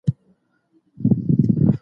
دا پرمختګ د ځانګړي قانون پیروي کوي.